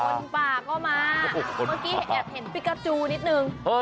ขนป่าก็มาเมื่อกี้เห็นพิกาจูนิดหนึ่ง